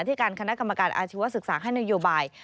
ที่การคณะกรรมการอาชีวศึกษาให้นโยบาย